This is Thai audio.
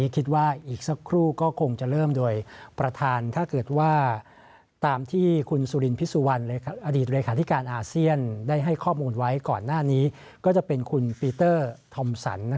ก่อนหน้านี้ก็จะเป็นคุณพีเตอร์ธอมสัน